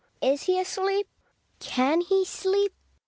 Is he asleep ? Can he sleep